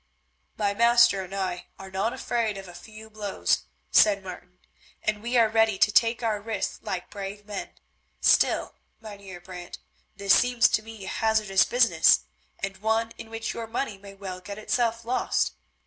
"My master and I are not afraid of a few blows," said Martin, "and we are ready to take our risks like brave men; still, Mynheer Brant, this seems to me a hazardous business, and one in which your money may well get itself lost.